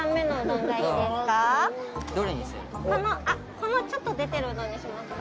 このちょっと出てるのにしますか？